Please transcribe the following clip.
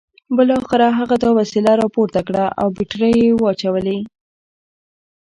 بالاخره هغه دا وسیله راپورته کړه او بیټرۍ یې واچولې